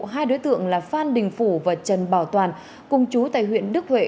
hai đối tượng là phan đình phủ và trần bảo toàn cùng chú tại huyện đức huệ